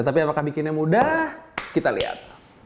tapi apakah bikinnya mudah kita lihat